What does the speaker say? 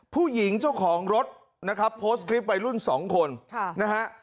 ผู้หญิงเจ้าของรถนะครับโพสต์คลิปวัยรุ่นสองคนนะฮะ